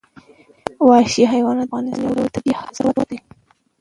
وحشي حیوانات د افغانستان یو ډول طبعي ثروت دی.